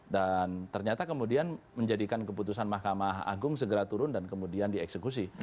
dan ternyata kemudian menjadikan keputusan mahkamah agung segera turun dan kemudian dieksekusi